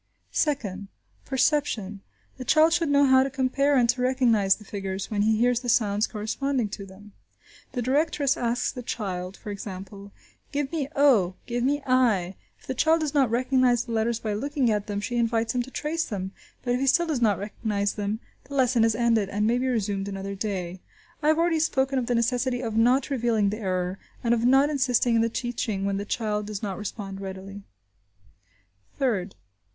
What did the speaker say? Second. Perception. The child should know how to compare and to recognise the figures, when he hears the sounds corresponding to them. The directress asks the child, for example, "Give me o!–Give me i!" If the child does not recognise the letters by looking at them, she invites him to trace them, but if he still does not recognise them, the lesson is ended, and may be resumed another day. I have already spoken of the necessity of not revealing the error, and of not insisting in the teaching when the child does not respond readily. Third.